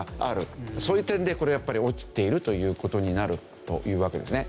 そういう点でこれはやっぱり落ちているという事になるというわけですね。